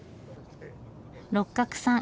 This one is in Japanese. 六角さん